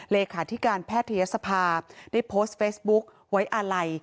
เลขาธิการแพทยศภาได้โพสต์เฟซบุ๊คไว้อาลัย